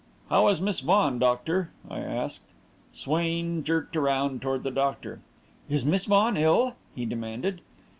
"How is Miss Vaughan, doctor?" I asked. Swain jerked round toward the doctor. "Is Miss Vaughan ill?" he demanded.